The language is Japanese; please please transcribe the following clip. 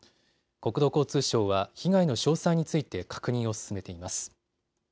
国土交通省は被害の詳細について確認を進めています。